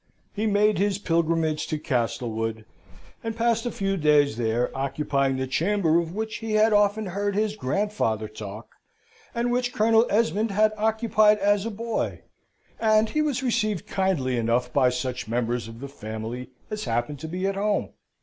He made his pilgrimage to Castlewood, and passed a few days there, occupying the chamber of which he had often heard his grandfather talk, and which Colonel Esmond had occupied as a boy and he was received kindly enough by such members of the family as happened to be at home.